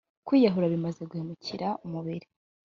kwiyahura bimaze guhemukira umubiri.